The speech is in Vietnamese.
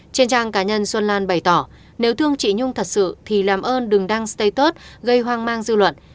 trên trang cá nhân xuân lan bày tỏ nếu thương chị nhung thật sự thì làm ơn đừng đăng stay tốt gây hoang mang dư luận